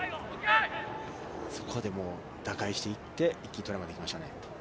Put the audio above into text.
そこで打開していって一気にトライまで行きましたね。